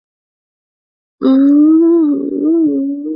也有阅读他人记忆的能力。